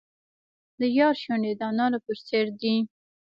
د یار شونډې د انارو په څیر دي.